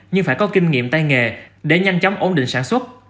nhưng phải có kinh nghiệm tay nghề để nhanh chóng ổn định sản xuất